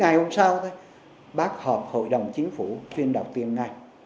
ngày hôm sau bác họp hội đồng chính phủ phiên đầu tiên ngay